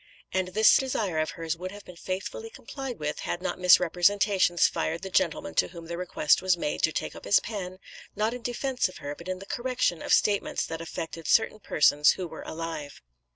'" And this desire of hers would have been faithfully complied with had not misrepresentations fired the gentleman to whom the request was made to take up his pen, not in defence of her, but in the correction of statements that affected certain persons who were alive.